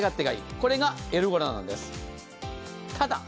これがエルゴラなんです。